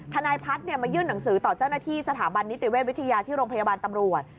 ทนายพัฒน์มายื่นหนังสือต่อเจ้าหน้าที่สถาบันนิติเวชวิทยาที่โรงพยาบาลตำรวจ